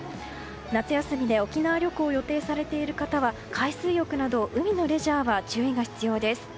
夏休みで沖縄旅行を予定されている方は海水浴など海のレジャーは注意が必要です。